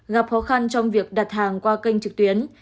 gặp khó khăn trong việc đặt hàng qua kênh trực tuyến